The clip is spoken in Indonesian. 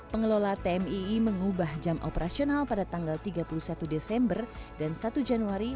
pengelola tmii mengubah jam operasional pada tanggal tiga puluh satu desember dan satu januari